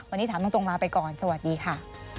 วันนี้ถามตรงลาไปก่อนสวัสดีค่ะ